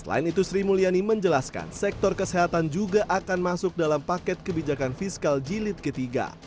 selain itu sri mulyani menjelaskan sektor kesehatan juga akan masuk dalam paket kebijakan fiskal jilid ketiga